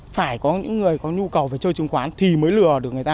phải có những người có nhu cầu phải chơi chứng khoán thì mới lừa được người ta